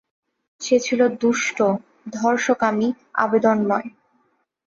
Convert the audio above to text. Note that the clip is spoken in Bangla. সে ছিল দুষ্ট, ধর্ষকামী, আবেদনময়।